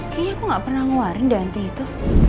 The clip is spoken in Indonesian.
kayaknya aku gak pernah ngeluarin di anting itu